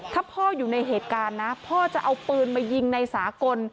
ถ้าพ่ออยู่ในเหตุการณ์นะพ่อจะเอาปืนมายิงในสากล